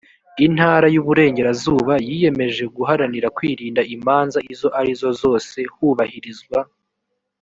intara y uburengerazuba yiyemeje guharanira kwirinda imanza izo ari zo zose hubahirizwa